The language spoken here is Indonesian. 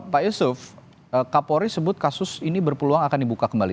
pak yusuf kapolri sebut kasus ini berpeluang akan dibuka kembali